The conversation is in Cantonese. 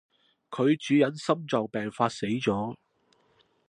佢主人心臟病發死咗